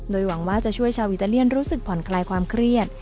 หวังว่าจะช่วยชาวอิตาเลียนรู้สึกผ่อนคลายความเครียด